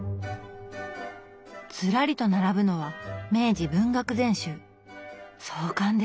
ずらりと並ぶのは明治文学全集壮観ですね。